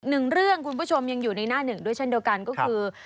หนึ่งเรื่องคุณผู้ชมยังอยู่ในหน้าหนึ่งด้วยเช่นเดียวกันก็คือ